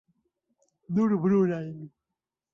Nur brunajn.